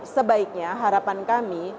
sebaiknya harapan kami